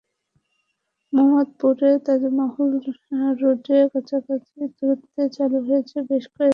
মোহাম্মদপুরে তাজমহল রোডে কাছাকাছি দূরত্বে চালু হয়েছে বেশ কয়েকটি রেস্তোরাঁ, কেক-পেস্ট্রির দোকান।